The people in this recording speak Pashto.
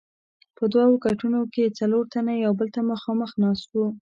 په دوو کټونو کې څلور تنه یو بل ته مخامخ ناست وو.